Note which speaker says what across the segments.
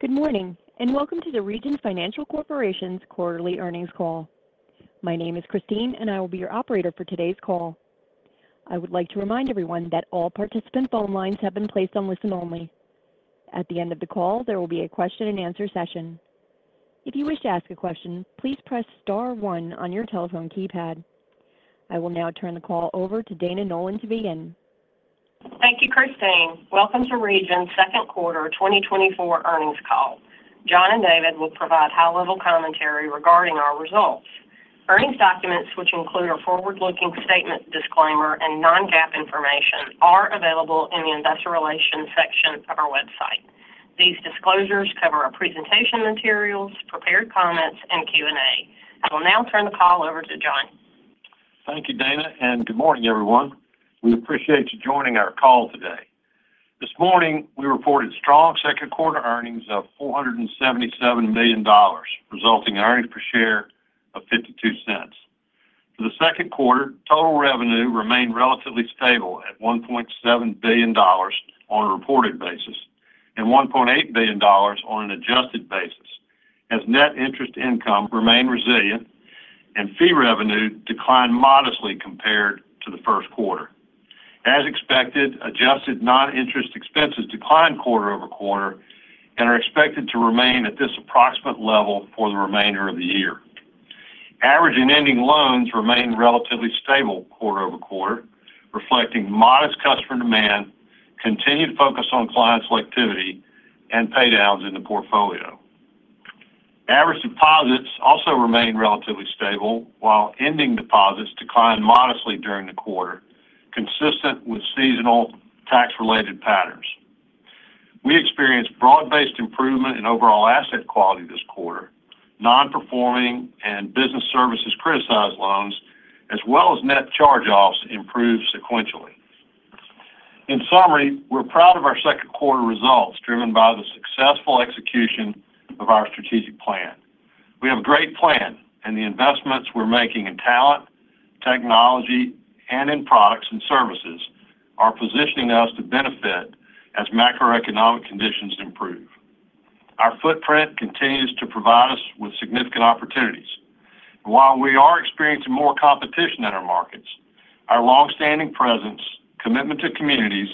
Speaker 1: Good morning, and welcome to the Regions Financial Corporation's Quarterly Earnings Call. My name is Christine, and I will be your operator for today's call. I would like to remind everyone that all participant phone lines have been placed on listen-only. At the end of the call, there will be a question-and-answer session. If you wish to ask a question, please press star one on your telephone keypad. I will now turn the call over to Dana Nolan to begin.
Speaker 2: Thank you, Christine. Welcome to Regions' Second Quarter 2024 Earnings Call. John and David will provide high-level commentary regarding our results. Earnings documents, which include our forward-looking statements disclaimer and non-GAAP information, are available in the Investor Relations section of our website. These disclosures cover our presentation materials, prepared comments, and Q&A. I will now turn the call over to John.
Speaker 3: Thank you, Dana, and good morning, everyone. We appreciate you joining our call today. This morning, we reported strong second quarter earnings of $477 million, resulting in earnings per share of $0.52. For the second quarter, total revenue remained relatively stable at $1.7 billion on a reported basis and $1.8 billion on an adjusted basis, as net interest income remained resilient and fee revenue declined modestly compared to the first quarter. As expected, adjusted non-interest expenses declined quarter-over-quarter and are expected to remain at this approximate level for the remainder of the year. Average and ending loans remained relatively stable quarter-over-quarter, reflecting modest customer demand, continued focus on client selectivity, and paydowns in the portfolio. Average deposits also remained relatively stable, while ending deposits declined modestly during the quarter, consistent with seasonal tax-related patterns. We experienced broad-based improvement in overall asset quality this quarter. Non-performing and business services criticized loans, as well as net charge-offs, improved sequentially. In summary, we're proud of our second quarter results, driven by the successful execution of our strategic plan. We have a great plan, and the investments we're making in talent, technology, and in products and services are positioning us to benefit as macroeconomic conditions improve. Our footprint continues to provide us with significant opportunities. While we are experiencing more competition in our markets, our longstanding presence, commitment to communities,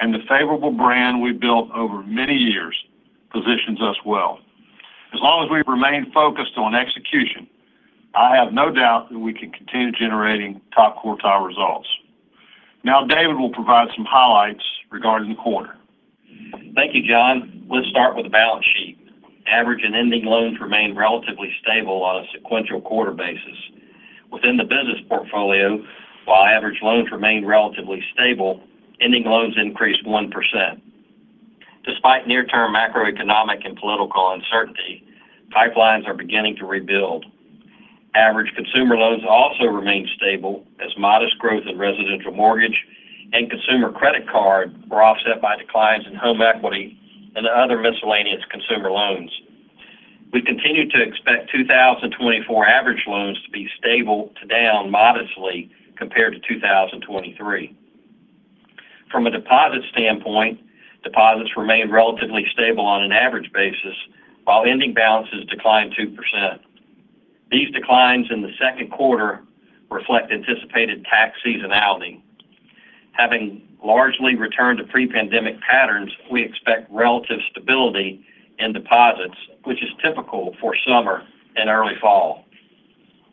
Speaker 3: and the favorable brand we've built over many years positions us well. As long as we remain focused on execution, I have no doubt that we can continue generating top quartile results. Now, David will provide some highlights regarding the quarter.
Speaker 4: Thank you, John. Let's start with the balance sheet. Average and ending loans remained relatively stable on a sequential quarter basis. Within the business portfolio, while average loans remained relatively stable, ending loans increased 1%. Despite near-term macroeconomic and political uncertainty, pipelines are beginning to rebuild. Average consumer loans also remained stable as modest growth in residential mortgage and consumer credit card were offset by declines in home equity and other miscellaneous consumer loans. We continue to expect 2024 average loans to be stable to down modestly compared to 2023. From a deposit standpoint, deposits remained relatively stable on an average basis, while ending balances declined 2%. These declines in the second quarter reflect anticipated tax seasonality. Having largely returned to pre-pandemic patterns, we expect relative stability in deposits, which is typical for summer and early fall.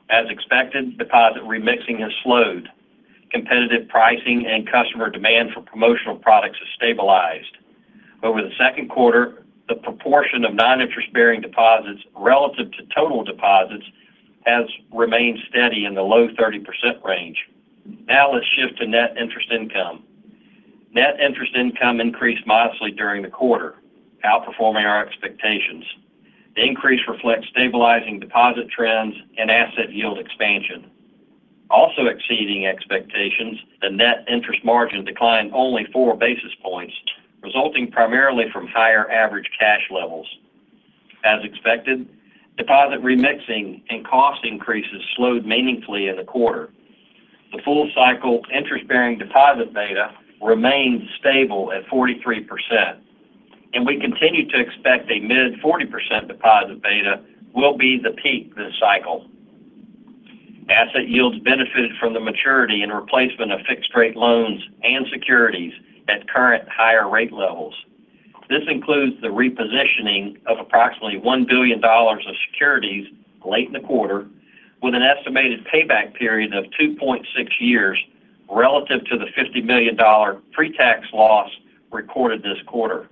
Speaker 4: As expected, deposit remixing has slowed. Competitive pricing and customer demand for promotional products has stabilized. Over the second quarter, the proportion of non-interest-bearing deposits relative to total deposits has remained steady in the low 30% range. Now let's shift to net interest income. Net interest income increased modestly during the quarter, outperforming our expectations. The increase reflects stabilizing deposit trends and asset yield expansion. Also exceeding expectations, the net interest margin declined only 4 basis points, resulting primarily from higher average cash levels. As expected, deposit remixing and cost increases slowed meaningfully in the quarter. The full cycle interest-bearing deposit beta remained stable at 43%, and we continue to expect a mid-40% deposit beta will be the peak this cycle. Asset yields benefited from the maturity and replacement of fixed-rate loans and securities at current higher rate levels. This includes the repositioning of approximately $1 billion of securities late in the quarter, with an estimated payback period of 2.6 years relative to the $50 million pre-tax loss recorded this quarter.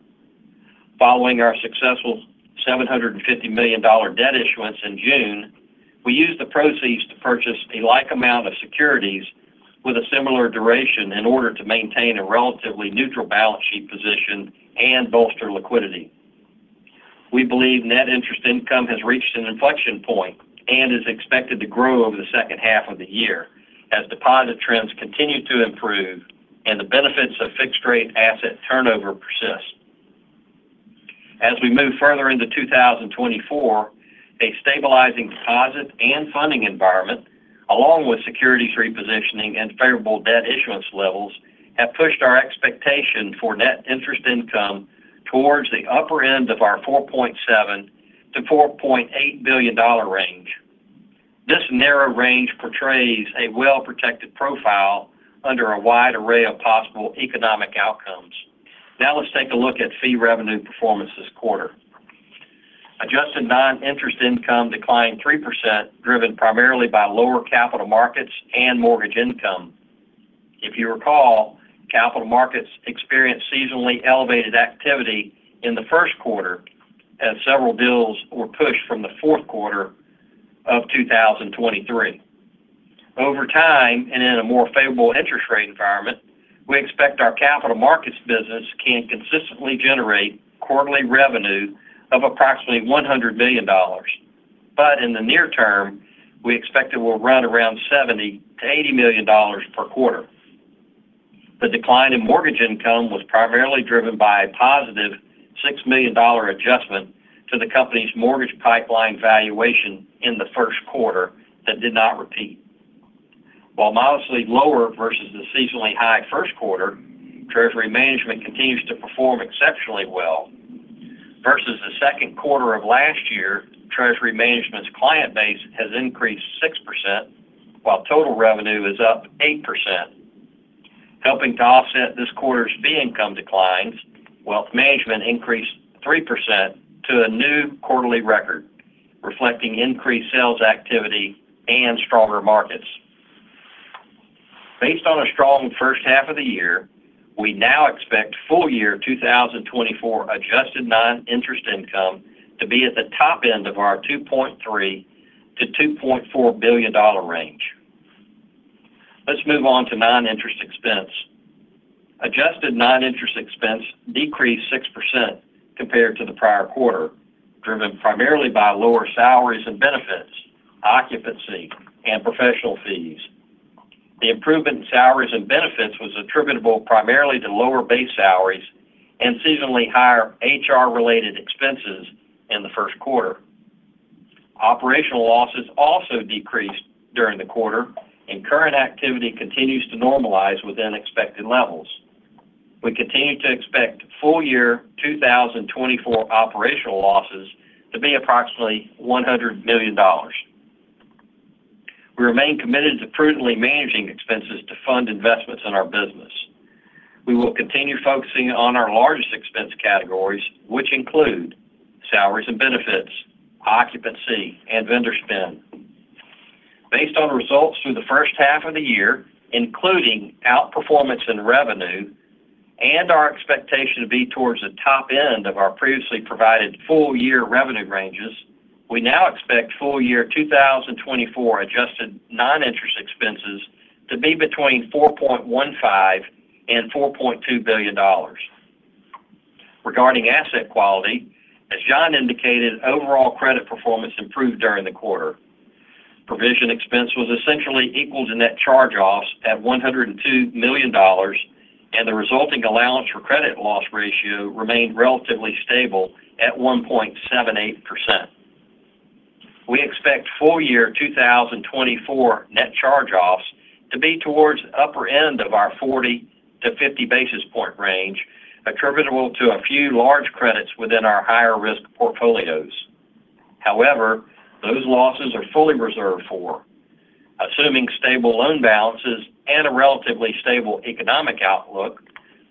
Speaker 4: Following our successful $750 million debt issuance in June, we used the proceeds to purchase a like amount of securities with a similar duration in order to maintain a relatively neutral balance sheet position and bolster liquidity. We believe net interest income has reached an inflection point and is expected to grow over the second half of the year as deposit trends continue to improve and the benefits of fixed-rate asset turnover persist. As we move further into 2024, a stabilizing deposit and funding environment, along with securities repositioning and favorable debt issuance levels, have pushed our expectation for net interest income towards the upper end of our $4.7 billion-$4.8 billion range. This narrow range portrays a well-protected profile under a wide array of possible economic outcomes. Now let's take a look at fee revenue performance this quarter. Adjusted non-interest income declined 3%, driven primarily by lower capital markets and mortgage income. If you recall, capital markets experienced seasonally elevated activity in the first quarter, as several deals were pushed from the fourth quarter of 2023. Over time, and in a more favorable interest rate environment, we expect our capital markets business can consistently generate quarterly revenue of approximately $100 million. But in the near term, we expect it will run around $70-$80 million per quarter. The decline in mortgage income was primarily driven by a positive $6 million adjustment to the company's mortgage pipeline valuation in the first quarter that did not repeat. While modestly lower versus the seasonally high first quarter, treasury management continues to perform exceptionally well. Versus the second quarter of last year, treasury management's client base has increased 6%, while total revenue is up 8%. Helping to offset this quarter's fee income declines, wealth management increased 3% to a new quarterly record, reflecting increased sales activity and stronger markets. Based on a strong first half of the year, we now expect full year 2024 adjusted non-interest income to be at the top end of our $2.3-$2.4 billion range. Let's move on to non-interest expense. Adjusted non-interest expense decreased 6% compared to the prior quarter, driven primarily by lower salaries and benefits, occupancy, and professional fees. The improvement in salaries and benefits was attributable primarily to lower base salaries and seasonally higher HR-related expenses in the first quarter. Operational losses also decreased during the quarter, and current activity continues to normalize within expected levels. We continue to expect full year 2024 operational losses to be approximately $100 million. We remain committed to prudently managing expenses to fund investments in our business. We will continue focusing on our largest expense categories, which include salaries and benefits, occupancy, and vendor spend. Based on results through the first half of the year, including outperformance in revenue and our expectation to be towards the top end of our previously provided full-year revenue ranges, we now expect full-year 2024 adjusted non-interest expenses to be between $4.15 billion and $4.2 billion. Regarding asset quality, as John indicated, overall credit performance improved during the quarter. Provision expense was essentially equal to net charge-offs at $102 million, and the resulting allowance for credit loss ratio remained relatively stable at 1.78%. We expect full-year 2024 net charge-offs to be towards the upper end of our 40-50 basis points range, attributable to a few large credits within our higher-risk portfolios. However, those losses are fully reserved for. Assuming stable loan balances and a relatively stable economic outlook,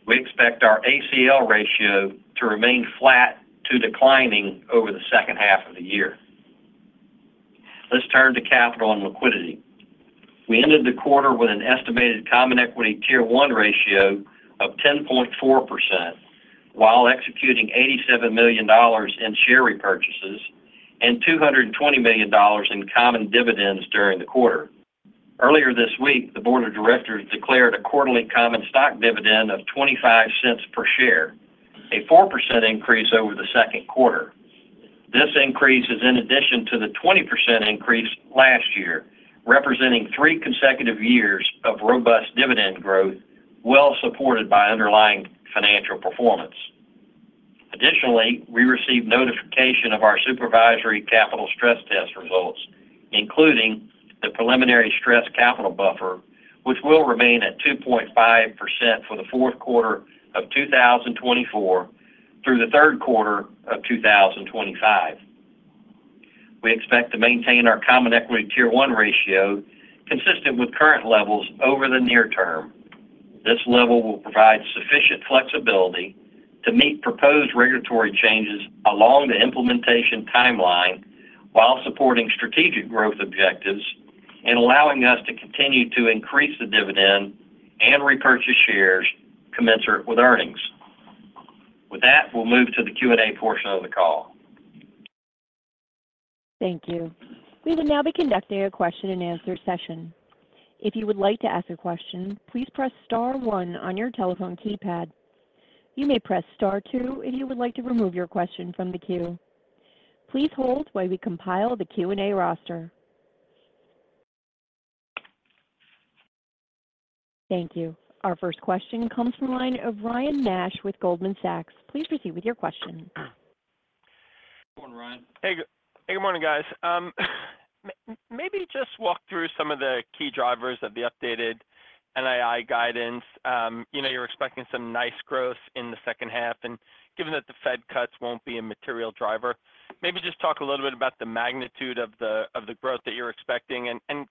Speaker 4: we expect our ACL ratio to remain flat to declining over the second half of the year. Let's turn to capital and liquidity. We ended the quarter with an estimated Common Equity Tier 1 ratio of 10.4%, while executing $87 million in share repurchases and $220 million in common dividends during the quarter. Earlier this week, the board of directors declared a quarterly common stock dividend of $0.25 per share, a 4% increase over the second quarter. This increase is in addition to the 20% increase last year, representing three consecutive years of robust dividend growth, well supported by underlying financial performance. Additionally, we received notification of our supervisory capital stress test results, including the preliminary stress capital buffer, which will remain at 2.5% for the fourth quarter of 2024 through the third quarter of 2025. We expect to maintain our Common Equity Tier 1 ratio consistent with current levels over the near term. This level will provide sufficient flexibility to meet proposed regulatory changes along the implementation timeline, while supporting strategic growth objectives and allowing us to continue to increase the dividend and repurchase shares commensurate with earnings. With that, we'll move to the Q&A portion of the call.
Speaker 1: Thank you. We will now be conducting a question-and-answer session. If you would like to ask a question, please press star one on your telephone keypad. You may press star two if you would like to remove your question from the queue. Please hold while we compile the Q&A roster.... Thank you. Our first question comes from the line of Ryan Nash with Goldman Sachs. Please proceed with your question.
Speaker 3: Good morning, Ryan.
Speaker 5: Hey, good morning, guys. Maybe just walk through some of the key drivers of the updated NII guidance. You know, you're expecting some nice growth in the second half, and given that the Fed cuts won't be a material driver, maybe just talk a little bit about the magnitude of the growth that you're expecting, and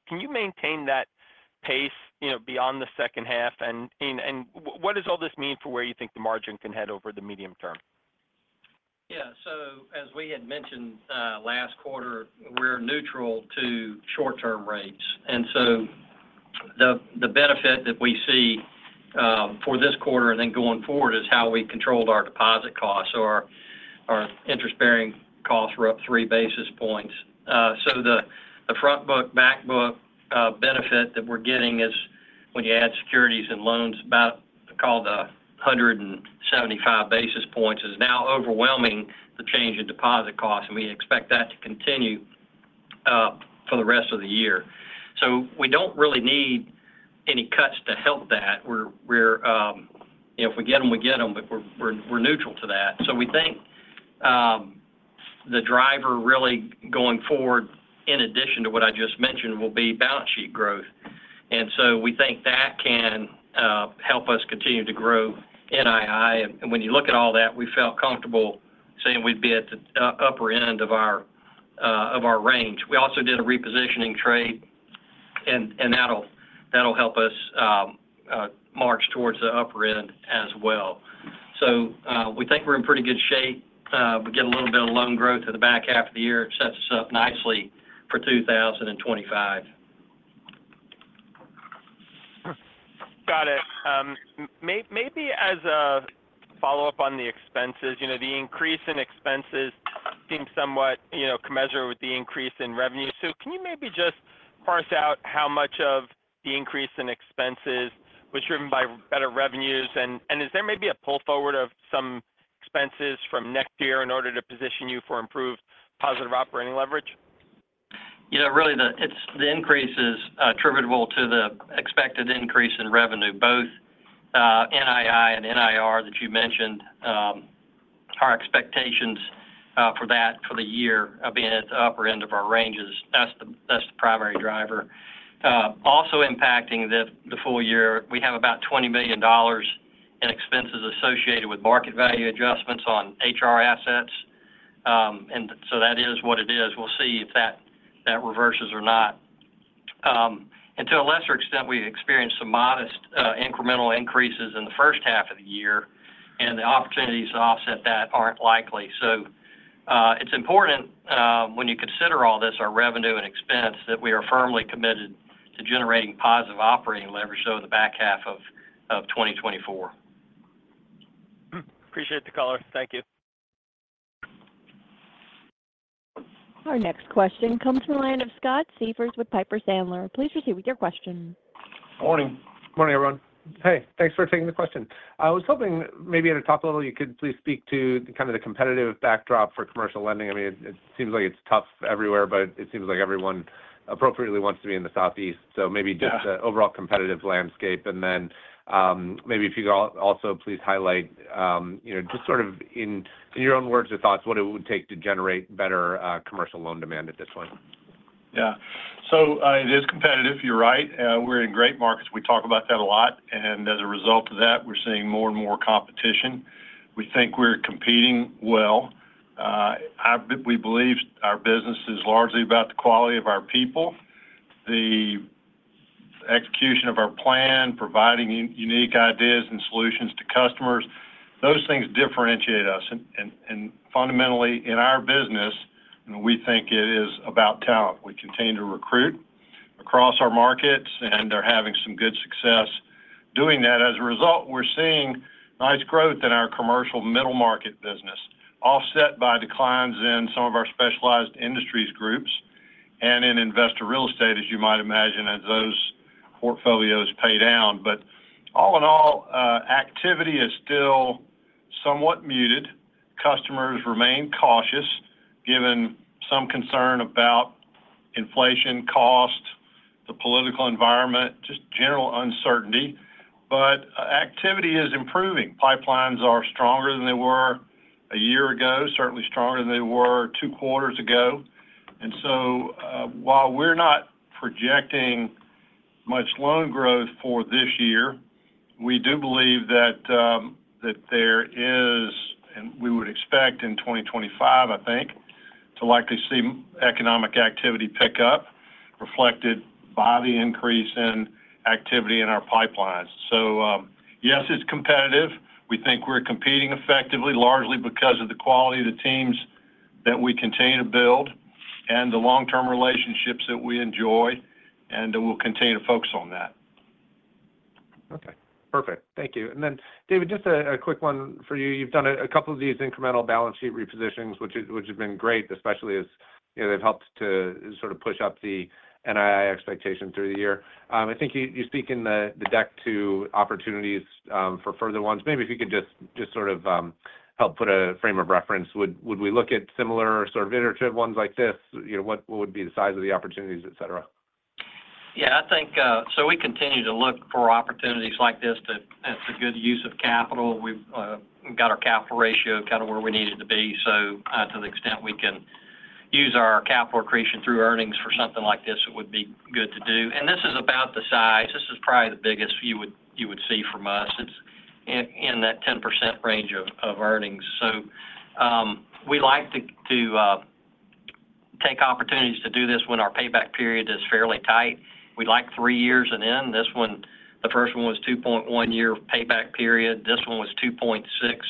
Speaker 5: what does all this mean for where you think the margin can head over the medium term?
Speaker 4: Yeah. So as we had mentioned last quarter, we're neutral to short-term rates. And so the benefit that we see for this quarter and then going forward is how we controlled our deposit costs, or our interest-bearing costs were up 3 basis points. So the front book, back book benefit that we're getting is when you add securities and loans, about 175 basis points, is now overwhelming the change in deposit costs, and we expect that to continue for the rest of the year. So we don't really need any cuts to help that. We're, if we get them, we get them, but we're neutral to that. So we think the driver really going forward, in addition to what I just mentioned, will be balance sheet growth. And so we think that can help us continue to grow NII. And when you look at all that, we felt comfortable saying we'd be at the upper end of our range. We also did a repositioning trade, and that'll help us march towards the upper end as well. So, we think we're in pretty good shape. We get a little bit of loan growth to the back half of the year, it sets us up nicely for 2025.
Speaker 5: Got it. Maybe as a follow-up on the expenses, you know, the increase in expenses seems somewhat, you know, commensurate with the increase in revenue. So can you maybe just parse out how much of the increase in expenses was driven by better revenues? And is there maybe a pull forward of some expenses from next year in order to position you for improved positive operating leverage?
Speaker 4: You know, really, the increase is attributable to the expected increase in revenue, both NII and NIR, that you mentioned. Our expectations for that for the year, being at the upper end of our range, that's the primary driver. Also impacting the full year, we have about $20 million in expenses associated with market value adjustments on HR assets. And so that is what it is. We'll see if that reverses or not. And to a lesser extent, we've experienced some modest incremental increases in the first half of the year, and the opportunities to offset that aren't likely. So, it's important when you consider all this, our revenue and expense, that we are firmly committed to generating positive operating leverage over the back half of 2024.
Speaker 5: Appreciate the call. Thank you.
Speaker 1: Our next question comes from the line of Scott Siefers with Piper Sandler. Please proceed with your question.
Speaker 6: Morning. Morning, everyone. Hey, thanks for taking the question. I was hoping maybe at a top level, you could please speak to kind of the competitive backdrop for commercial lending. I mean, it seems like it's tough everywhere, but it seems like everyone appropriately wants to be in the Southeast. So maybe-
Speaker 3: Yeah...
Speaker 6: just the overall competitive landscape. And then, maybe if you could also please highlight, you know, just sort of in your own words or thoughts, what it would take to generate better commercial loan demand at this point?
Speaker 3: Yeah. So, it is competitive, you're right. We're in great markets. We talk about that a lot, and as a result of that, we're seeing more and more competition. We think we're competing well. We believe our business is largely about the quality of our people, the execution of our plan, providing unique ideas and solutions to customers. Those things differentiate us. And fundamentally, in our business, we think it is about talent. We continue to recruit across our markets, and they're having some good success doing that. As a result, we're seeing nice growth in our commercial middle market business, offset by declines in some of our specialized industries groups and in investor real estate, as you might imagine, as those portfolios pay down. But all in all, activity is still somewhat muted. Customers remain cautious, given some concern about inflation costs, the political environment, just general uncertainty. But activity is improving. Pipelines are stronger than they were a year ago, certainly stronger than they were two quarters ago. And so, while we're not projecting much loan growth for this year, we do believe that, that there is, and we would expect in 2025, I think, to likely see economic activity pick up, reflected by the increase in activity in our pipelines. So, yes, it's competitive. We think we're competing effectively, largely because of the quality of the teams that we continue to build and the long-term relationships that we enjoy, and, we'll continue to focus on that.
Speaker 6: Okay, perfect. Thank you. And then, David, just a quick one for you. You've done a couple of these incremental balance sheet repositionings, which have been great, especially as, you know, they've helped to sort of push up the NII expectations through the year. I think you speak in the deck to opportunities for further ones. Maybe if you could just sort of help put a frame of reference. Would we look at similar sort of iterative ones like this? You know, what would be the size of the opportunities, et cetera?
Speaker 4: ...Yeah, I think, so we continue to look for opportunities like this, that it's a good use of capital. We've got our capital ratio kind of where we need it to be. So, to the extent we can use our capital accretion through earnings for something like this, it would be good to do. And this is about the size, this is probably the biggest you would, you would see from us. It's in that 10% range of earnings. So, we like to take opportunities to do this when our payback period is fairly tight. We like three years and in, this one, the first one was 2.1-year payback period, this one was 2.6.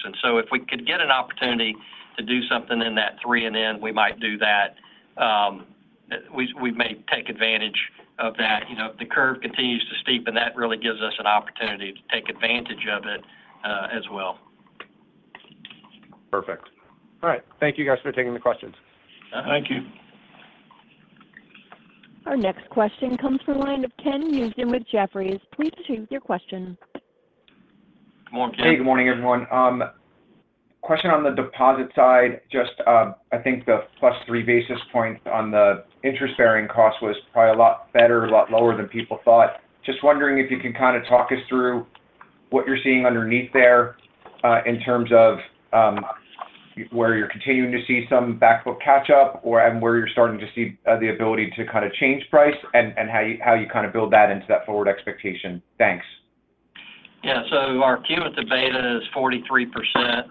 Speaker 4: And so if we could get an opportunity to do something in that three and in, we might do that. We may take advantage of that. You know, if the curve continues to steepen, that really gives us an opportunity to take advantage of it, as well.
Speaker 6: Perfect. All right. Thank you guys for taking the questions.
Speaker 3: Thank you.
Speaker 1: Our next question comes from the line of Ken Usdin with Jefferies. Please proceed with your question.
Speaker 4: Good morning, Ken.
Speaker 7: Hey, good morning, everyone. Question on the deposit side, just, I think the +3 basis points on the interest-bearing cost was probably a lot better, a lot lower than people thought. Just wondering if you can kind of talk us through what you're seeing underneath there, in terms of, where you're continuing to see some back book catch up, or and where you're starting to see, the ability to kind of change price, and, and how you, how you kind of build that into that forward expectation. Thanks.
Speaker 4: Yeah. So our cumulative beta is 43%.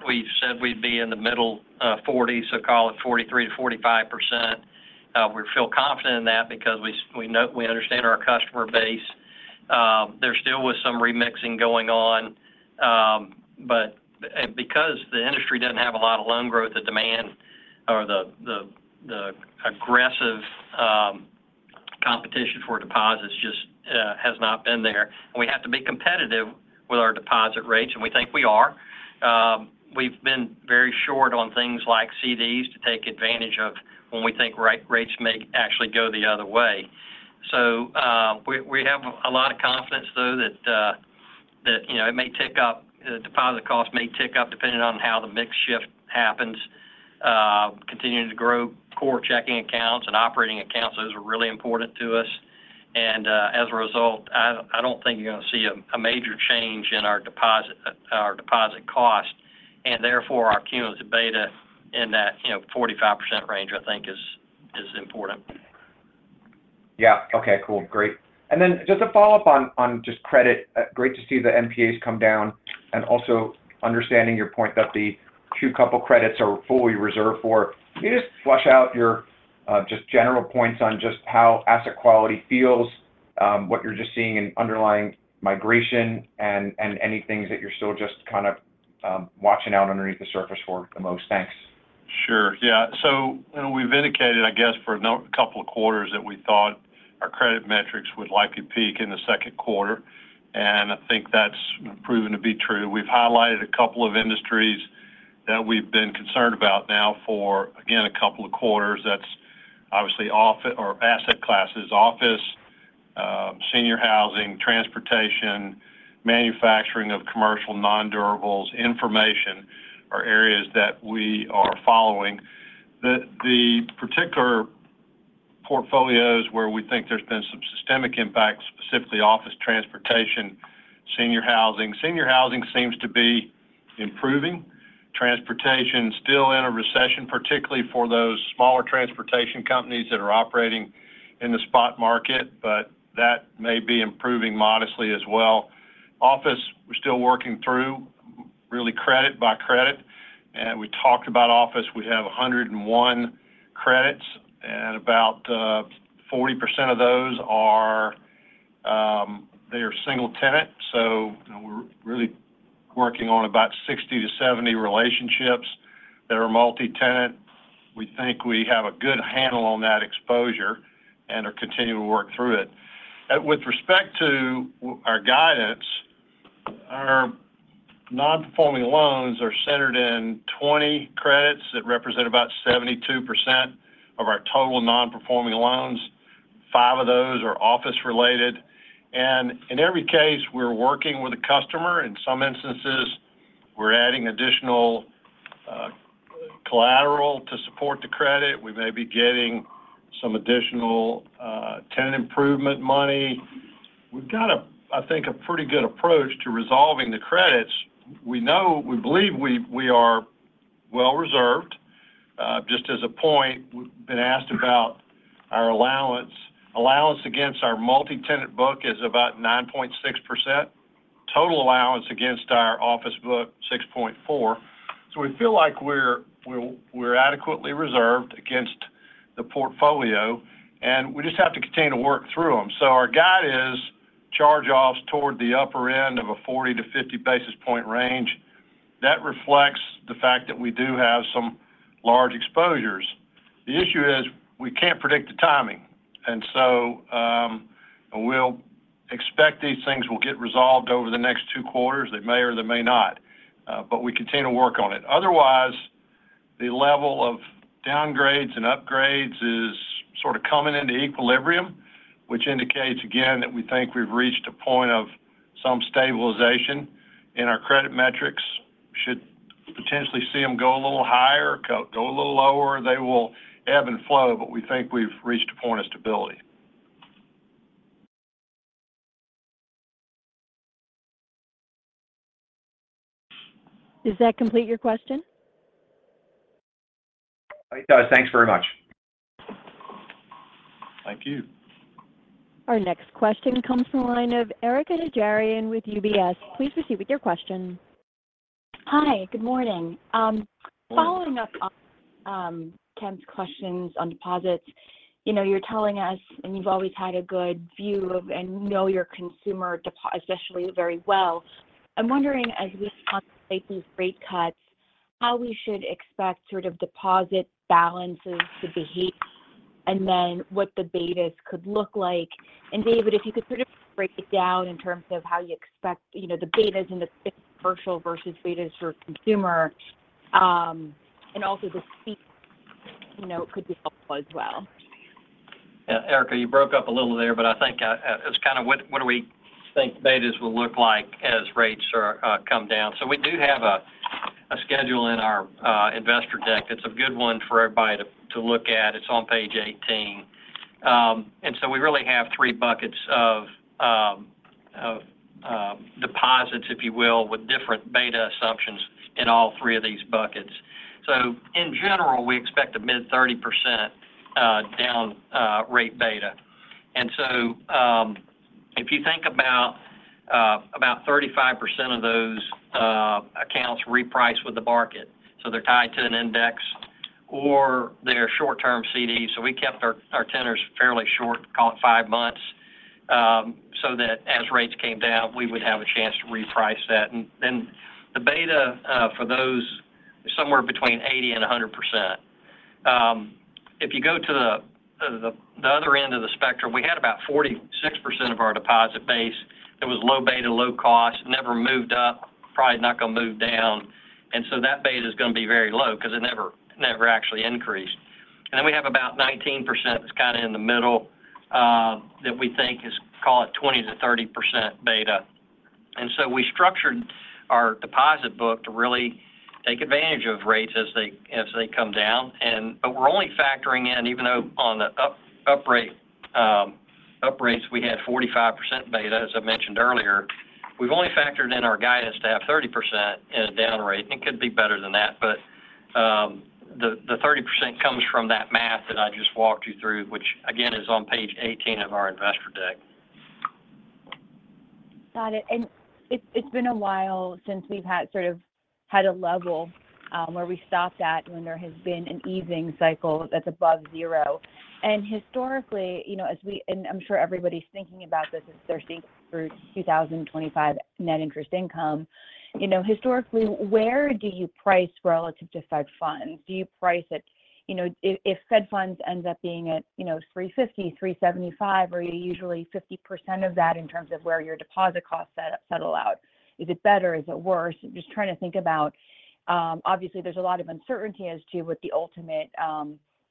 Speaker 4: We've said we'd be in the middle, 40%, so call it 43%-45%. We feel confident in that because we know—we understand our customer base. There still was some remixing going on, but because the industry doesn't have a lot of loan growth, the demand or the aggressive competition for deposits just has not been there. We have to be competitive with our deposit rates, and we think we are. We've been very short on things like CDs to take advantage of when we think rates may actually go the other way. So we have a lot of confidence, though, that you know, it may tick up, the deposit cost may tick up, depending on how the mix shift happens. Continuing to grow core checking accounts and operating accounts, those are really important to us. As a result, I don't think you're going to see a major change in our deposit, our deposit cost, and therefore, our cumulative beta in that, you know, 45% range, I think is important.
Speaker 7: Yeah. Okay, cool. Great. And then just a follow-up on just credit. Great to see the NPAs come down, and also understanding your point that the a couple credits are fully reserved for. Can you just flesh out your just general points on just how asset quality feels, what you're just seeing in underlying migration, and any things that you're still just kind of watching out underneath the surface for the most? Thanks.
Speaker 3: Sure. Yeah. So we've indicated, I guess, for another couple of quarters, that we thought our credit metrics would likely peak in the second quarter, and I think that's proven to be true. We've highlighted a couple of industries that we've been concerned about now for, again, a couple of quarters. That's obviously office or asset classes, office, senior housing, transportation, manufacturing of commercial nondurables, information, are areas that we are following. The particular portfolios where we think there's been some systemic impact, specifically office, transportation, senior housing. Senior housing seems to be improving. Transportation, still in a recession, particularly for those smaller transportation companies that are operating in the spot market, but that may be improving modestly as well. Office, we're still working through, really, credit by credit, and we talked about office. We have 101 credits, and about 40% of those are they are single tenant, so we're really working on about 60-70 relationships that are multi-tenant. We think we have a good handle on that exposure and are continuing to work through it. With respect to our guidance, our nonperforming loans are centered in 20 credits that represent about 72% of our total nonperforming loans. Five of those are office-related, and in every case, we're working with the customer. In some instances, we're adding additional collateral to support the credit. We may be getting some additional tenant improvement money. We've got a, I think, a pretty good approach to resolving the credits. We know we believe we, we are well reserved. Just as a point, we've been asked about our allowance. Allowance against our multi-tenant book is about 9.6%. Total allowance against our office book, 6.4%. So we feel like we're adequately reserved against the portfolio, and we just have to continue to work through them. So our guide is charge-offs toward the upper end of a 40-50 basis point range. That reflects the fact that we do have some large exposures. The issue is, we can't predict the timing, and so, we'll expect these things will get resolved over the next two quarters. They may or they may not, but we continue to work on it. Otherwise, the level of downgrades and upgrades is sort of coming into equilibrium, which indicates, again, that we think we've reached a point of some stabilization in our credit metrics should potentially see them go a little higher, go a little lower. They will ebb and flow, but we think we've reached a point of stability.
Speaker 1: Does that complete your question?
Speaker 7: It does. Thanks very much.
Speaker 3: Thank you.
Speaker 1: Our next question comes from the line of Erika Najarian with UBS. Please proceed with your question.
Speaker 8: Hi, good morning. Following up on Ken's questions on deposits, you know, you're telling us, and you've always had a good view of, and know your consumer deposits especially very well. I'm wondering as we these rate cuts, how we should expect sort of deposit balances to behave, and then what the betas could look like? And David, if you could sort of break it down in terms of how you expect, you know, the betas in the commercial versus betas for consumer, and also the, you know, could be helpful as well.
Speaker 4: Yeah, Erika, you broke up a little there, but I think it's kind of what do we think betas will look like as rates come down. So we do have a schedule in our investor deck. It's a good one for everybody to look at. It's on page 18. And so we really have three buckets of deposits, if you will, with different beta assumptions in all three of these buckets. So in general, we expect a mid-30% down rate beta. And so if you think about 35% of those accounts reprice with the market, so they're tied to an index or they're short-term CDs. So we kept our tenors fairly short, call it 5 months, so that as rates came down, we would have a chance to reprice that. And the beta for those is somewhere between 80% and 100%. If you go to the other end of the spectrum, we had about 46% of our deposit base that was low beta, low cost, never moved up, probably not gonna move down. And so that beta is gonna be very low because it never actually increased. And then we have about 19% that's kind of in the middle, that we think is, call it 20%-30% beta. And so we structured our deposit book to really take advantage of rates as they come down. But we're only factoring in, even though on the uprate, uprates, we had 45% beta, as I mentioned earlier. We've only factored in our guidance to have 30% in a down rate, and it could be better than that. But the 30% comes from that math that I just walked you through, which, again, is on page 18 of our investor deck.
Speaker 8: Got it. And it's been a while since we've sort of had a level where we stopped at when there has been an easing cycle that's above zero. And historically, you know, and I'm sure everybody's thinking about this as they're thinking through 2025 net interest income, you know, historically, where do you price relative to Fed Funds? Do you price it? You know, if Fed Funds ends up being at, you know, 3.50%, 3.75%, or are you usually 50% of that in terms of where your deposit costs settle out? Is it better? Is it worse? I'm just trying to think about, obviously, there's a lot of uncertainty as to what the ultimate,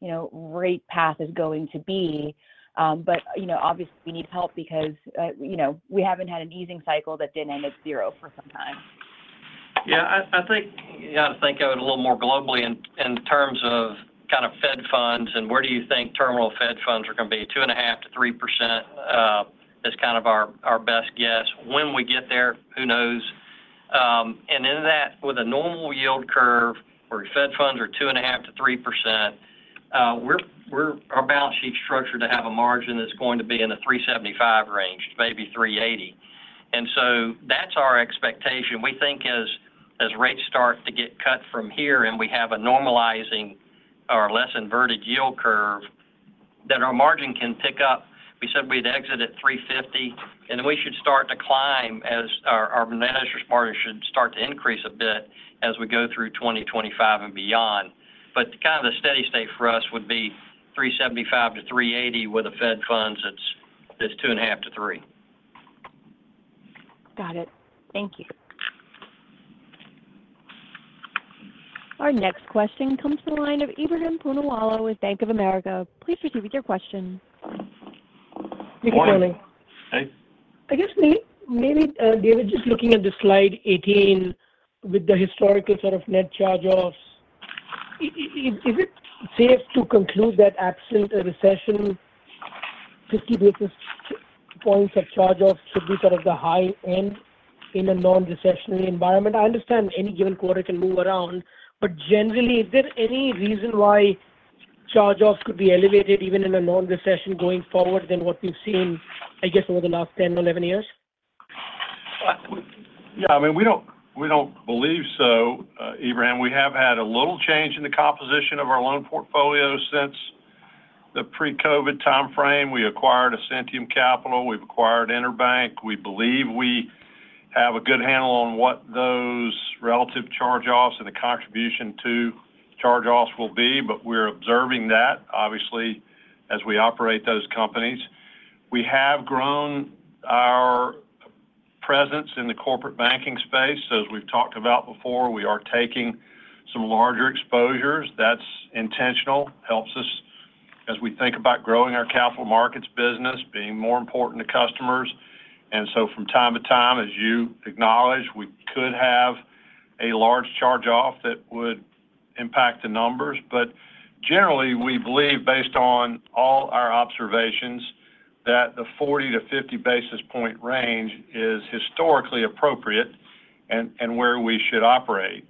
Speaker 8: you know, rate path is going to be. But, you know, obviously, we need help because, you know, we haven't had an easing cycle that didn't end at zero for some time.
Speaker 4: Yeah, I think you got to think of it a little more globally in terms of kind of Fed Funds and where do you think terminal Fed Funds are going to be? 2.5%-3% is kind of our best guess. When we get there, who knows? And in that, with a normal yield curve, where Fed Funds are 2.5%-3%, we're our balance sheet is structured to have a margin that's going to be in the 3.75% range, maybe 3.80%. And so that's our expectation. We think as rates start to get cut from here and we have a normalizing or less inverted yield curve, that our margin can pick up. We said we'd exit at 3.50%, and then we should start to climb as our management margin should start to increase a bit as we go through 2025 and beyond. But kind of the steady state for us would be 3.75%-3.80%, with the Fed Funds it's 2.5%-3%.
Speaker 8: Got it. Thank you.
Speaker 1: Our next question comes from the line of Ebrahim Poonawala with Bank of America. Please proceed with your question.
Speaker 3: Good morning.
Speaker 9: Hey. I guess maybe, David, just looking at the slide 18 with the historical sort of net charge-offs, is it safe to conclude that absent a recession, 50 basis points of charge-offs should be sort of the high end in a non-recessionary environment? I understand any given quarter can move around, but generally, is there any reason why charge-offs could be elevated even in a non-recession going forward than what we've seen, I guess, over the last 10 or 11 years?
Speaker 3: Yeah, I mean, we don't, we don't believe so, Ebrahim. We have had a little change in the composition of our loan portfolio since the pre-COVID timeframe. We acquired Ascentium Capital, we've acquired EnerBank. We believe we have a good handle on what those relative charge-offs and the contribution to charge-offs will be, but we're observing that, obviously, as we operate those companies. We have grown our presence in the corporate banking space. So as we've talked about before, we are taking some larger exposures. That's intentional, helps us as we think about growing our Capital Markets business, being more important to customers. And so from time to time, as you acknowledged, we could have a large charge-off that would impact the numbers. But generally, we believe, based on all our observations, that the 40-50 basis points range is historically appropriate and, and where we should operate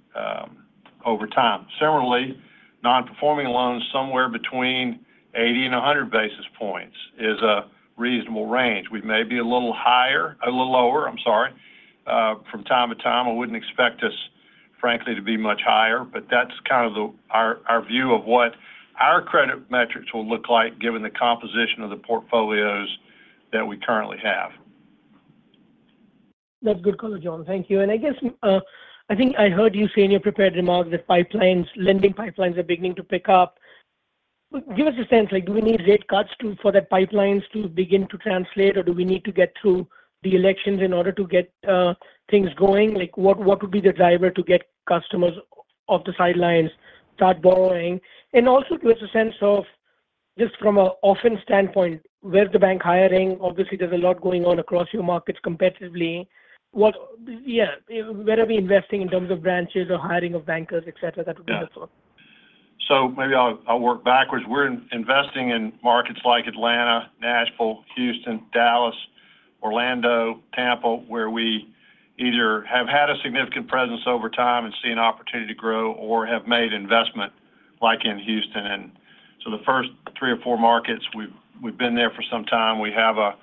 Speaker 3: over time. Similarly, non-performing loans, somewhere between 80 and 100 basis points is a reasonable range. We may be a little higher, a little lower, I'm sorry, from time to time. I wouldn't expect us, frankly, to be much higher, but that's kind of our view of what our credit metrics will look like, given the composition of the portfolios that we currently have.
Speaker 9: That's good color, John. Thank you. And I guess, I think I heard you say in your prepared remarks that pipelines, lending pipelines are beginning to pick up. Give us a sense, like, do we need rate cuts to, for the pipelines to begin to translate, or do we need to get through the elections in order to get, things going? Like, what, what would be the driver to get customers off the sidelines, start borrowing? And also give us a sense of, just from an offense standpoint, where is the bank hiring? Obviously, there's a lot going on across your markets competitively. What-- Yeah, where are we investing in terms of branches or hiring of bankers, et cetera? That would be helpful.
Speaker 3: So maybe I'll, I'll work backwards. We're investing in markets like Atlanta, Nashville, Houston, Dallas, Orlando, Tampa, where we either have had a significant presence over time and see an opportunity to grow or have made investment, like in Houston. And so the first three or four markets, we've been there for some time. We have a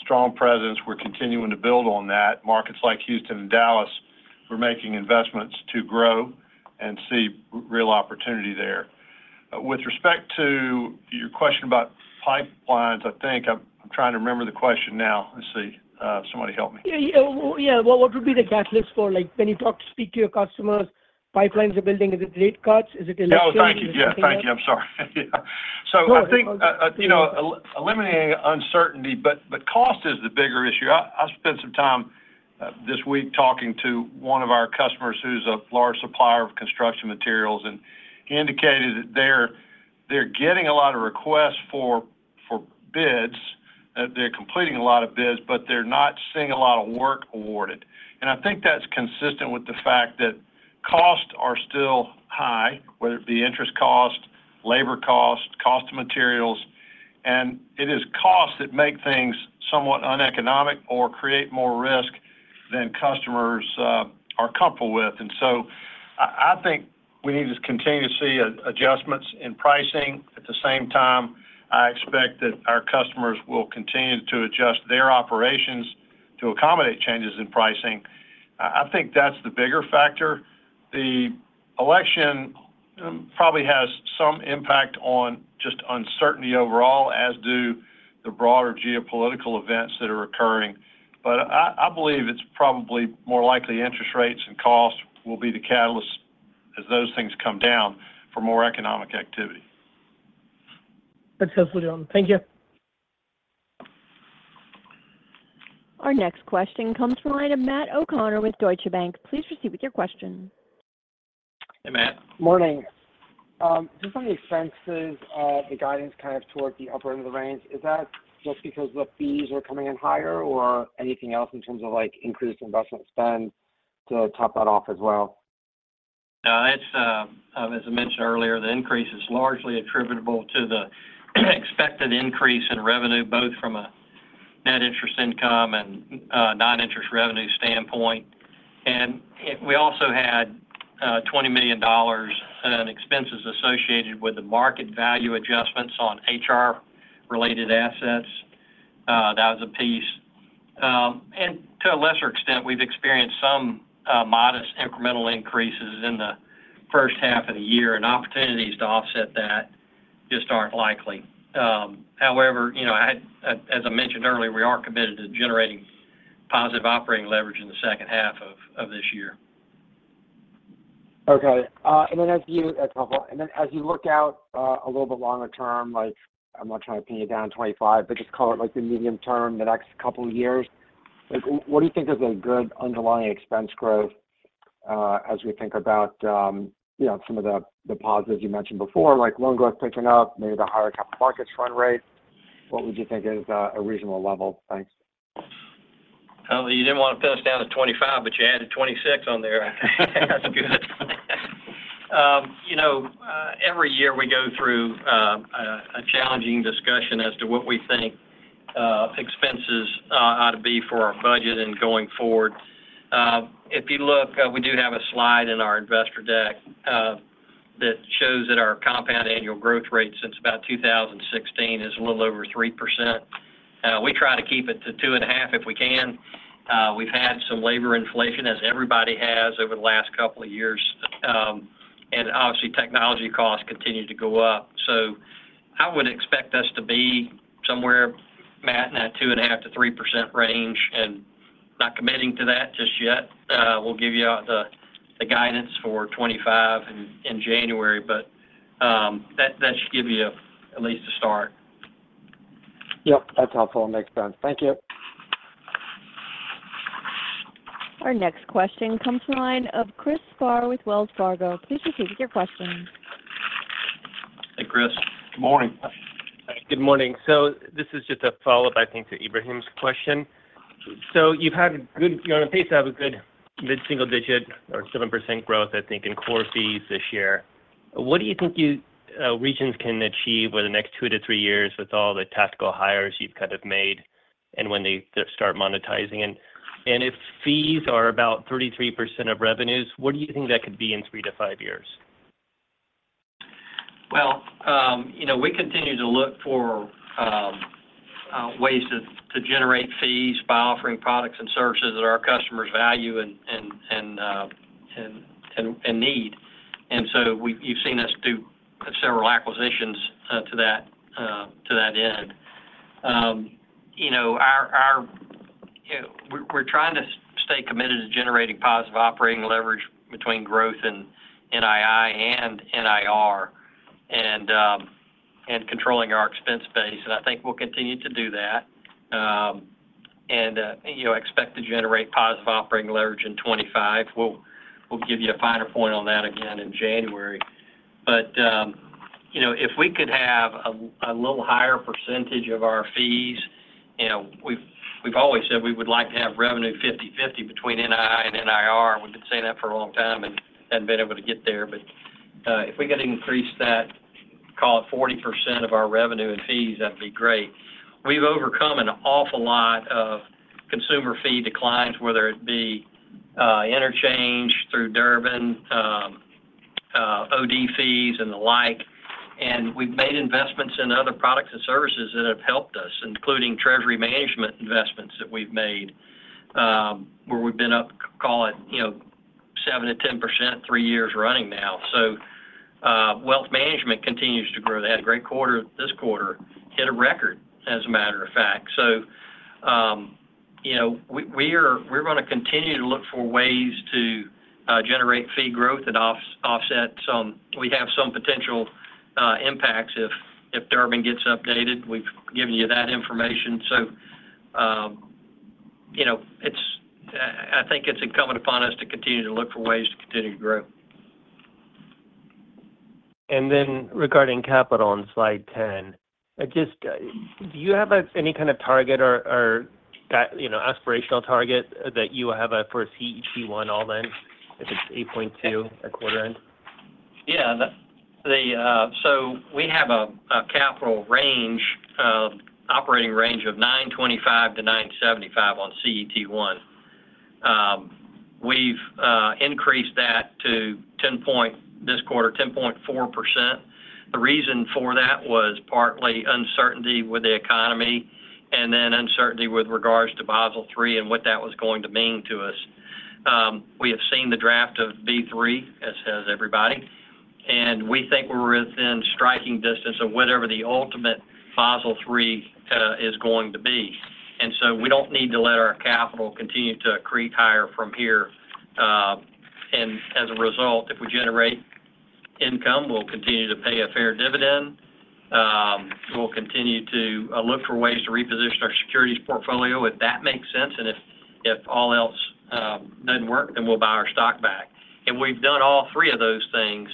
Speaker 3: strong presence. We're continuing to build on that. Markets like Houston and Dallas, we're making investments to grow and see real opportunity there. With respect to your question about pipelines, I think... I'm trying to remember the question now. Let's see, somebody help me.
Speaker 9: Yeah, yeah. Well, what would be the catalyst for, like, when you speak to your customers, pipelines are building, is it rate cuts? Is it-
Speaker 3: Oh, thank you.
Speaker 9: Yeah.
Speaker 3: Thank you. I'm sorry. So I think, you know, eliminating uncertainty, but cost is the bigger issue. I spent some time this week talking to one of our customers who's a large supplier of construction materials, and he indicated that they're getting a lot of requests for bids, that they're completing a lot of bids, but they're not seeing a lot of work awarded. And I think that's consistent with the fact that costs are still high, whether it be interest cost, labor cost, cost of materials, and it is costs that make things somewhat uneconomic or create more risk than customers are comfortable with. And so I think we need to continue to see adjustments in pricing. At the same time, I expect that our customers will continue to adjust their operations to accommodate changes in pricing. I, I think that's the bigger factor. The election, probably has some impact on just uncertainty overall, as do the broader geopolitical events that are occurring. But I, I believe it's probably more likely interest rates and costs will be the catalyst as those things come down for more economic activity.
Speaker 9: That's helpful, John. Thank you.
Speaker 1: Our next question comes from the line of Matt O'Connor with Deutsche Bank. Please proceed with your question.
Speaker 3: Hey, Matt.
Speaker 10: Morning. Just on the expenses of the guidance kind of toward the upper end of the range, is that just because the fees are coming in higher or anything else in terms of, like, increased investment spend to top that off as well?
Speaker 4: No, it's, as I mentioned earlier, the increase is largely attributable to the expected increase in revenue, both from a net interest income and, non-interest revenue standpoint. We also had $20 million in expenses associated with the market value adjustments on HR-related assets. That was a piece. To a lesser extent, we've experienced some modest incremental increases in the first half of the year, and opportunities to offset that just aren't likely. However, you know, I, as I mentioned earlier, we are committed to generating positive operating leverage in the second half of this year.
Speaker 10: Okay, that's helpful. And then as you look out, a little bit longer term, like, I'm not trying to pin you down 2025, but just call it like the medium term, the next couple of years, like, what do you think is a good underlying expense growth, as we think about, you know, some of the positives you mentioned before, like loan growth picking up, maybe the higher capital markets fund rate? What would you think is a reasonable level? Thanks.
Speaker 4: Well, you didn't want to pin us down to 2025, but you added 2026 on there. That's good. You know, every year we go through a challenging discussion as to what we think expenses ought to be for our budget and going forward. If you look, we do have a slide in our investor deck that shows that our compound annual growth rate since about 2016 is a little over 3%. We try to keep it to 2.5%, if we can. We've had some labor inflation, as everybody has over the last couple of years. And obviously, technology costs continue to go up. So I would expect us to be somewhere, Matt, in that 2.5%-3% range, and not committing to that just yet. We'll give you all the guidance for 2025 in January, but that should give you at least a start.
Speaker 10: Yep, that's helpful. It makes sense. Thank you. ...
Speaker 1: Our next question comes from the line of Chris Spahr with Wells Fargo. Please proceed with your question.
Speaker 11: Hey, Chris.
Speaker 3: Good morning.
Speaker 11: Good morning. So this is just a follow-up, I think, to Ebrahim's question. So you've had a good—you're on a pace to have a good mid-single-digit or 7% growth, I think, in core fees this year. What do you think you, Regions can achieve over the next 2-3 years with all the tactical hires you've kind of made and when they start monetizing? And, and if fees are about 33% of revenues, what do you think that could be in 3-5 years?
Speaker 4: Well, you know, we continue to look for ways to generate fees by offering products and services that our customers value and need. And so you've seen us do several acquisitions to that end. You know, we're trying to stay committed to generating positive operating leverage between growth and NII and NIR, and controlling our expense base, and I think we'll continue to do that. You know, I expect to generate positive operating leverage in 2025. We'll give you a finer point on that again in January. But you know, if we could have a little higher percentage of our fees, you know, we've always said we would like to have revenue 50/50 between NII and NIR. We've been saying that for a long time and hadn't been able to get there. But, if we could increase that, call it 40% of our revenue and fees, that'd be great. We've overcome an awful lot of consumer fee declines, whether it be, interchange through Durbin, OD fees and the like, and we've made investments in other products and services that have helped us, including treasury management investments that we've made, where we've been up, call it, you know, 7%-10%, three years running now. So, wealth management continues to grow. They had a great quarter this quarter. Hit a record, as a matter of fact. So, you know, we're going to continue to look for ways to, generate fee growth and offset some... We have some potential, impacts if Durbin gets updated. We've given you that information. So, you know, I think it's incumbent upon us to continue to look for ways to continue to grow.
Speaker 11: And then regarding capital on slide 10, just, do you have any kind of target or, or, you know, aspirational target that you have for CET1 all in? If it's 8.2% at quarter end.
Speaker 4: Yeah. So we have an operating range of 9.25%-9.75% on CET1. We've increased that to 10.4% this quarter. The reason for that was partly uncertainty with the economy and then uncertainty with regards to Basel III and what that was going to mean to us. We have seen the draft of B3, as has everybody, and we think we're within striking distance of whatever the ultimate Basel III is going to be. And so we don't need to let our capital continue to accrete higher from here. And as a result, if we generate income, we'll continue to pay a fair dividend. We'll continue to look for ways to reposition our securities portfolio, if that makes sense, and if all else doesn't work, then we'll buy our stock back. And we've done all three of those things,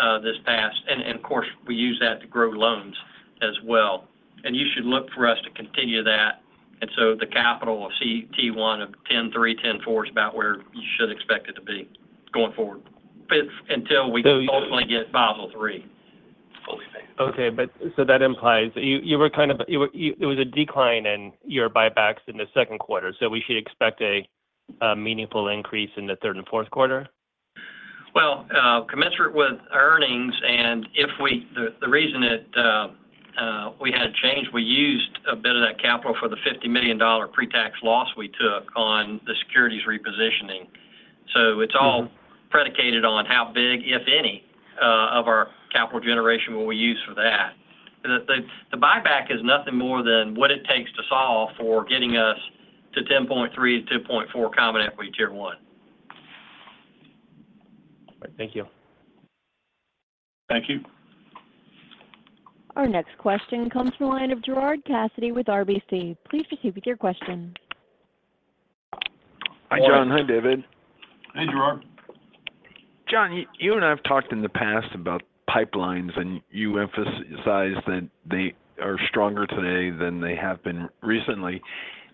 Speaker 4: and of course, we use that to grow loans as well. And you should look for us to continue that, and so the capital of CET1 of 10.3%, 10.4% is about where you should expect it to be going forward. But until we ultimately get Basel III fully fixed.
Speaker 11: Okay, but so that implies it was a decline in your buybacks in the second quarter, so we should expect a meaningful increase in the third and fourth quarter?
Speaker 4: Well, commensurate with earnings, and if we—the reason it, we had a change, we used a bit of that capital for the $50 million pre-tax loss we took on the securities repositioning.
Speaker 11: Mm-hmm.
Speaker 4: So it's all predicated on how big, if any, of our capital generation will we use for that. The buyback is nothing more than what it takes to solve for getting us to 10.3%, 10.4% Common Equity Tier 1.
Speaker 11: Thank you.
Speaker 4: Thank you.
Speaker 1: Our next question comes from the line of Gerard Cassidy with RBC. Please proceed with your question.
Speaker 12: Hi, John. Hi, David.
Speaker 3: Hey, Gerard.
Speaker 12: John, you and I have talked in the past about pipelines, and you emphasized that they are stronger today than they have been recently.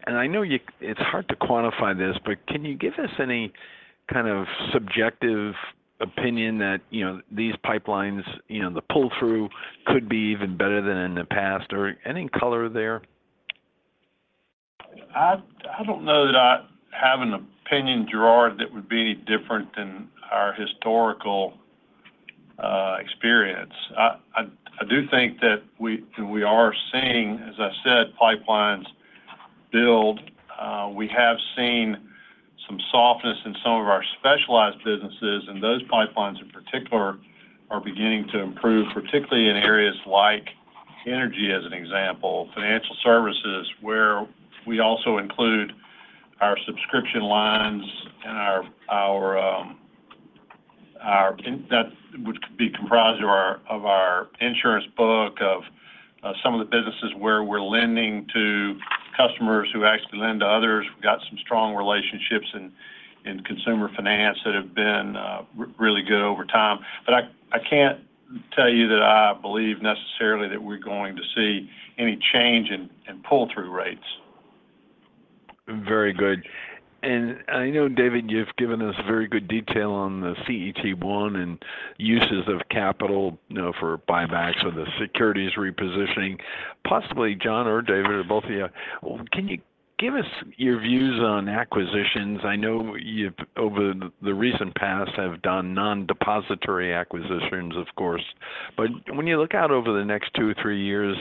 Speaker 12: And I know you, it's hard to quantify this, but can you give us any kind of subjective opinion that, you know, these pipelines, you know, the pull-through could be even better than in the past or any color there?
Speaker 3: I, I don't know that I have an opinion, Gerard, that would be any different than our historical experience. I, I, I do think that we and we are seeing, as I said, pipelines build. We have seen some softness in some of our specialized businesses, and those pipelines in particular are beginning to improve, particularly in areas like energy, as an example, financial services, where we also include our subscription lines and our, our and that would be comprised of our, of our insurance book, of some of the businesses where we're lending to customers who actually lend to others. We've got some strong relationships in, in consumer finance that have been really good over time. But I, I can't tell you that I believe necessarily that we're going to see any change in, in pull-through rates.
Speaker 12: Very good. And I know, David, you've given us very good detail on the CET1 and uses of capital, you know, for buybacks or the securities repositioning. Possibly John or David, or both of you, can you give us your views on acquisitions? I know you've over the recent past have done non-depository acquisitions, of course. But when you look out over the next two, three years,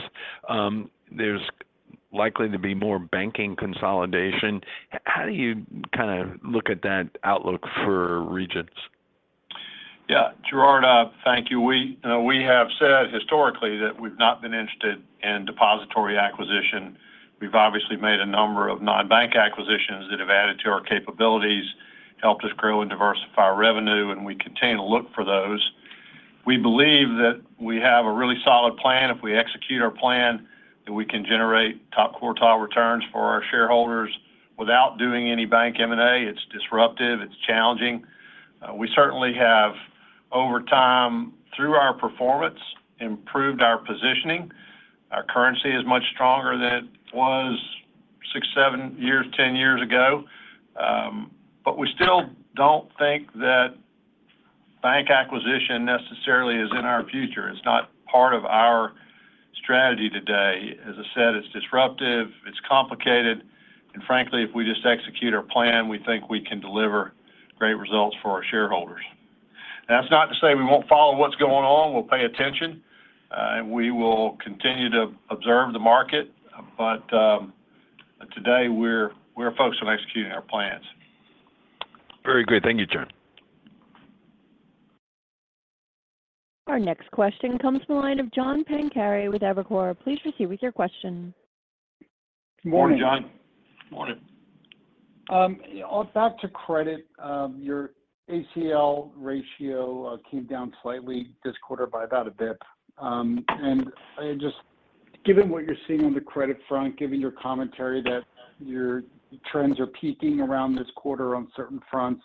Speaker 12: there's likely to be more banking consolidation. How do you kind of look at that outlook for Regions?
Speaker 3: Yeah, Gerard, thank you. We, you know, we have said historically that we've not been interested in depository acquisition. We've obviously made a number of non-bank acquisitions that have added to our capabilities, helped us grow and diversify our revenue, and we continue to look for those. We believe that we have a really solid plan. If we execute our plan, then we can generate top quartile returns for our shareholders without doing any bank M&A. It's disruptive, it's challenging. We certainly have, over time, through our performance, improved our positioning. Our currency is much stronger than it was six, seven years, 10 years ago. But we still don't think that bank acquisition necessarily is in our future. It's not part of our strategy today. As I said, it's disruptive, it's complicated, and frankly, if we just execute our plan, we think we can deliver great results for our shareholders. That's not to say we won't follow what's going on. We'll pay attention, and we will continue to observe the market, but today, we're focused on executing our plans.
Speaker 12: Very good. Thank you, John.
Speaker 1: Our next question comes from the line of John Pancari with Evercore. Please proceed with your question.
Speaker 13: Good morning.
Speaker 3: Morning, John. Morning.
Speaker 13: Back to credit, your ACL ratio came down slightly this quarter by about a basis point. And just given what you're seeing on the credit front, given your commentary that your trends are peaking around this quarter on certain fronts,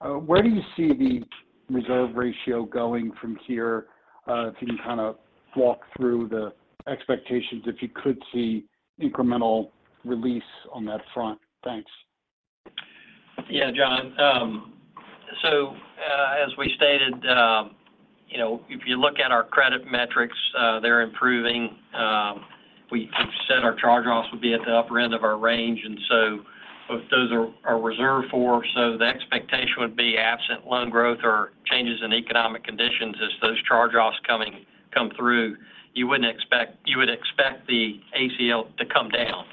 Speaker 13: where do you see the reserve ratio going from here? If you can kind of walk through the expectations, if you could see incremental release on that front. Thanks.
Speaker 4: Yeah, John, so, as we stated, you know, if you look at our credit metrics, they're improving. We've said our charge-offs would be at the upper end of our range, and so those are reserved for. So the expectation would be absent loan growth or changes in economic conditions as those charge-offs come through, you would expect the ACL to come down.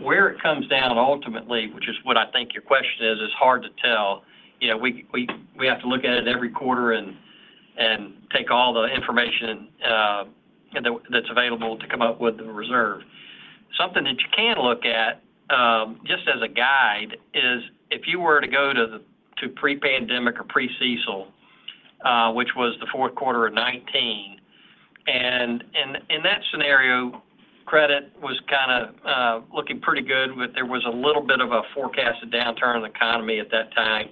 Speaker 4: Where it comes down ultimately, which is what I think your question is, is hard to tell. You know, we have to look at it every quarter and take all the information that's available to come up with the reserve. Something that you can look at, just as a guide, is if you were to go to the, to pre-pandemic or pre-CECL, which was the fourth quarter of 2019, and in that scenario, credit was kind of looking pretty good, but there was a little bit of a forecasted downturn in the economy at that time,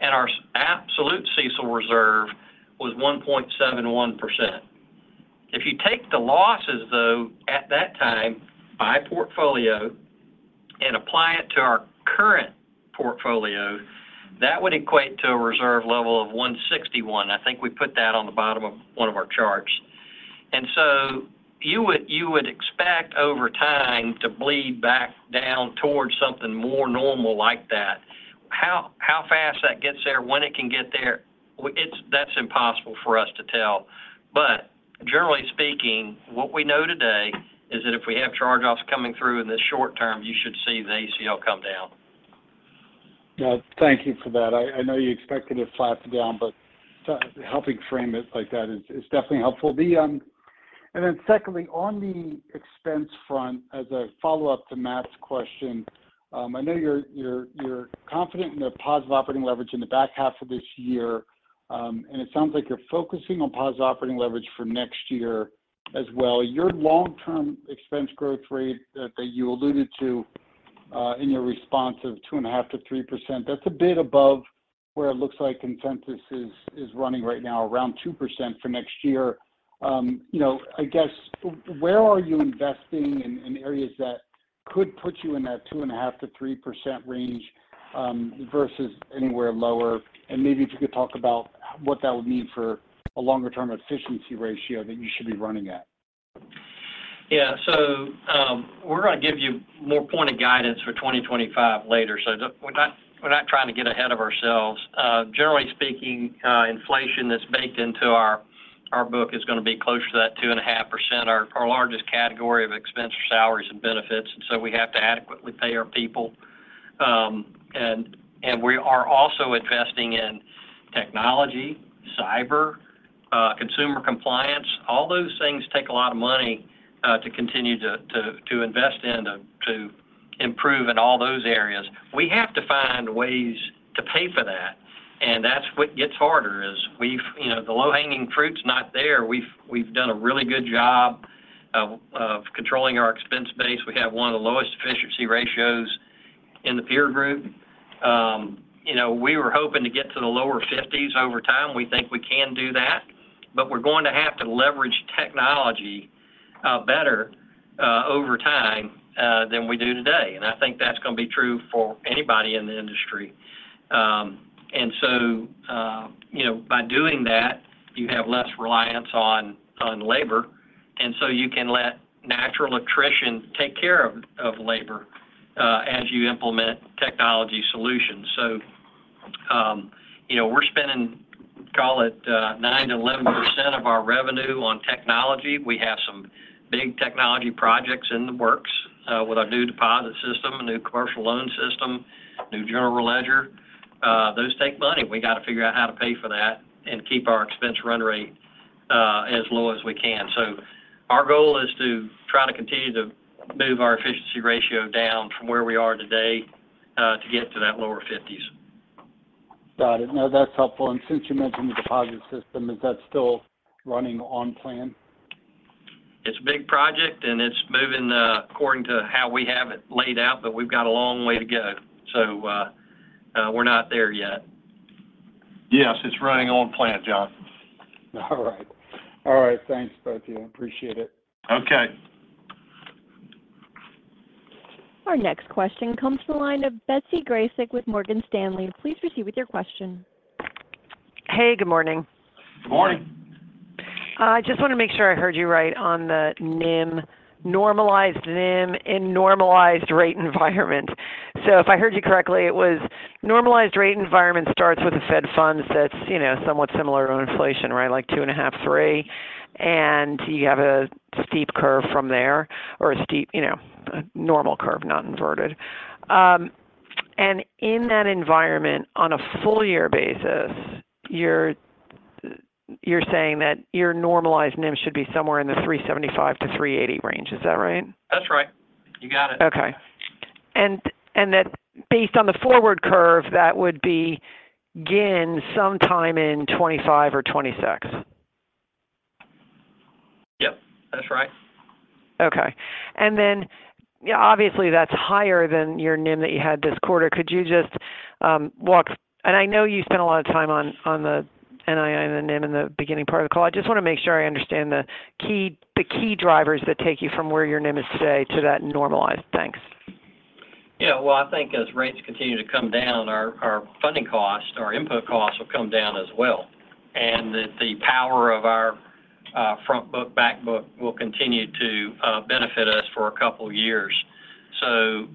Speaker 4: and our absolute CECL reserve was 1.71%. If you take the losses, though, at that time by portfolio and apply it to our current portfolio, that would equate to a reserve level of 1.61%. I think we put that on the bottom of one of our charts. And so you would, you would expect over time to bleed back down towards something more normal like that. How fast that gets there, when it can get there, it's, that's impossible for us to tell. Generally speaking, what we know today is that if we have charge-offs coming through in the short term, you should see the ACL come down.
Speaker 13: Well, thank you for that. I know you expected it to flatten down, but so helping frame it like that is definitely helpful. And then secondly, on the expense front, as a follow-up to Matt's question, I know you're confident in the positive operating leverage in the back half of this year, and it sounds like you're focusing on positive operating leverage for next year as well. Your long-term expense growth rate that you alluded to in your response of 2.5%-3%, that's a bit above where it looks like consensus is running right now, around 2% for next year. You know, I guess, where are you investing in areas that could put you in that 2.5%-3% range, versus anywhere lower? Maybe if you could talk about what that would mean for a longer-term efficiency ratio that you should be running at?
Speaker 4: Yeah. So, we're going to give you more pointed guidance for 2025 later. So we're not, we're not trying to get ahead of ourselves. Generally speaking, inflation that's baked into our book is going to be closer to that 2.5%. Our largest category of expense are salaries and benefits, and so we have to adequately pay our people. And we are also investing in technology, cyber, consumer compliance. All those things take a lot of money to continue to invest in to improve in all those areas. We have to find ways to pay for that, and that's what gets harder, is we've, you know, the low-hanging fruit's not there. We've done a really good job of controlling our expense base. We have one of the lowest efficiency ratios in the peer group. You know, we were hoping to get to the lower 50s over time. We think we can do that, but we're going to have to leverage technology better over time than we do today. And I think that's going to be true for anybody in the industry. And so, you know, by doing that, you have less reliance on labor, and so you can let natural attrition take care of labor as you implement technology solutions. So, you know, we're spending, call it, 9%-11% of our revenue on technology. We have some big technology projects in the works with our new deposit system, a new commercial loan system, new general ledger. Those take money. We got to figure out how to pay for that and keep our expense run rate as low as we can. So our goal is to try to continue to move our efficiency ratio down from where we are today, to get to that lower fifties.
Speaker 13: Got it. No, that's helpful. Since you mentioned the deposit system, is that still running on plan?
Speaker 4: It's a big project, and it's moving according to how we have it laid out, but we've got a long way to go, so we're not there yet.
Speaker 3: Yes, it's running on plan, John.
Speaker 13: All right. All right, thanks, both of you. Appreciate it.
Speaker 3: Okay.
Speaker 1: Our next question comes from the line of Betsy Graseck with Morgan Stanley. Please proceed with your question.
Speaker 14: Hey, good morning.
Speaker 3: Good morning.
Speaker 4: Good morning.
Speaker 14: I just want to make sure I heard you right on the NIM, normalized NIM in normalized rate environment. So if I heard you correctly, it was normalized rate environment starts with the Fed Funds that's, you know, somewhat similar to inflation, right? Like 2.5%, 3%, and you have a steep curve from there, or a steep... You know, a normal curve, not inverted. And in that environment, on a full year basis, you're, you're saying that your normalized NIM should be somewhere in the 3.75%-3.80% range. Is that right?
Speaker 4: That's right. You got it.
Speaker 14: Okay. And, and that based on the forward curve, that would be, again, sometime in 2025 or 2026?
Speaker 4: Yep, that's right.
Speaker 14: Okay. And then, yeah, obviously, that's higher than your NIM that you had this quarter. Could you just, and I know you spent a lot of time on the NII and the NIM in the beginning part of the call. I just want to make sure I understand the key drivers that take you from where your NIM is today to that normalized. Thanks.
Speaker 4: Yeah, well, I think as rates continue to come down, our funding costs, our input costs will come down as well, and that the power of our front book, back book will continue to benefit us for a couple of years. So,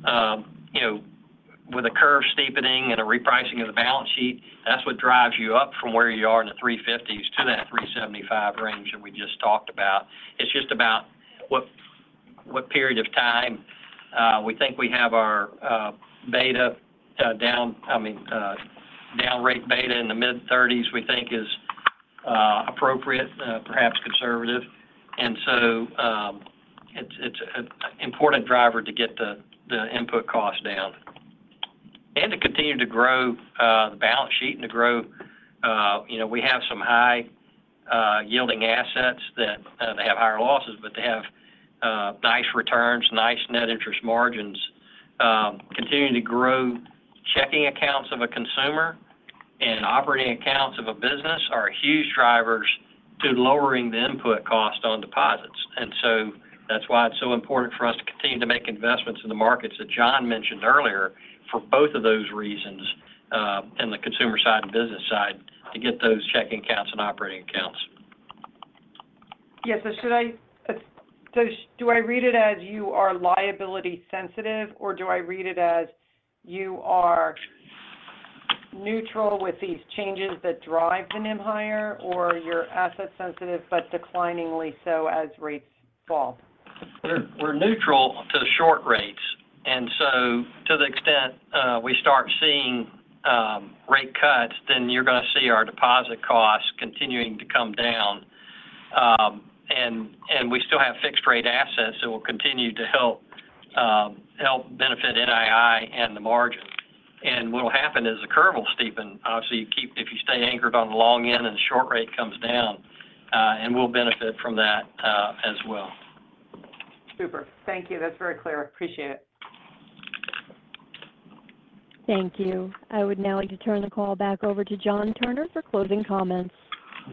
Speaker 4: you know, with a curve steepening and a repricing of the balance sheet, that's what drives you up from where you are in the 3.50s to that 3.75% range that we just talked about. It's just about what period of time. We think we have our beta down, I mean, down rate beta in the mid-30s, we think is appropriate, perhaps conservative. And so, it's an important driver to get the input cost down. And to continue to grow the balance sheet and to grow, you know, we have some high yielding assets that they have higher losses, but they have nice returns, nice net interest margins. Continuing to grow, checking accounts of a consumer and operating accounts of a business are huge drivers to lowering the input cost on deposits. And so that's why it's so important for us to continue to make investments in the markets that John mentioned earlier, for both of those reasons, in the consumer side and business side, to get those checking accounts and operating accounts.
Speaker 14: So do I read it as you are liability sensitive, or do I read it as you are neutral with these changes that drive the NIM higher, or you're asset sensitive, but decliningly so as rates fall?
Speaker 4: We're neutral to the short rates, and so to the extent we start seeing rate cuts, then you're going to see our deposit costs continuing to come down. And we still have fixed rate assets that will continue to help benefit NII and the margin. And what will happen is the curve will steepen. Obviously, if you stay anchored on the long end and the short rate comes down, and we'll benefit from that as well.
Speaker 14: Super. Thank you. That's very clear. Appreciate it.
Speaker 1: Thank you. I would now like to turn the call back over to John Turner for closing comments.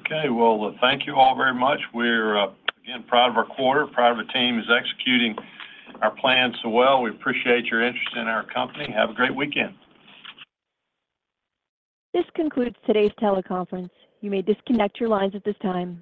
Speaker 3: Okay. Well, thank you all very much. We're, again, proud of our quarter, proud of our team is executing our plan so well. We appreciate your interest in our company. Have a great weekend.
Speaker 1: This concludes today's teleconference. You may disconnect your lines at this time.